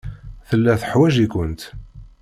Tella teḥwaj-ikent.